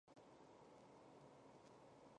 莱波萨维奇是位于科索沃北部的一座城市。